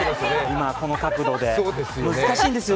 この角度で、難しいんですよ